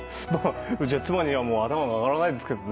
うちは妻には頭が上がらないですけどね。